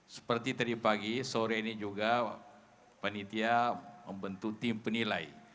seperti tadi pagi sore ini juga panitia membentuk tim penilai